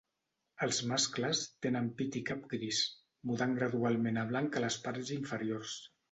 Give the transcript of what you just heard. Els mascles tenen pit i cap gris, mudant gradualment a blanc a les parts inferiors.